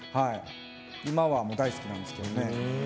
今は大好きなんですけどね。